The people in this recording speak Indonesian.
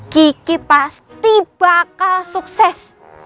kiki pasti bakal sukses